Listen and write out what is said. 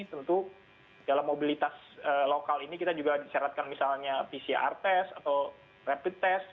tentu dalam mobilitas lokal ini kita juga disyaratkan misalnya pcr test atau rapid test